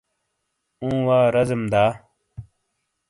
اوں وا رازیم دا؟